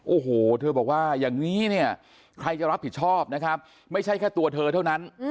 โอ้โหเธอบอกว่าอย่างนี้เนี่ยใครจะรับผิดชอบนะครับไม่ใช่แค่ตัวเธอเท่านั้น